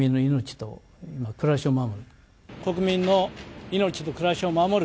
国民の命と暮らしを守る。